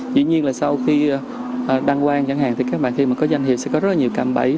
dĩ nhiên là sau khi đăng quan chẳng hạn thì các bạn khi mà có danh hiệu sẽ có rất nhiều cạm bẫy